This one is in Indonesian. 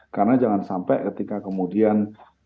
karena jangan sampai ketika kemudian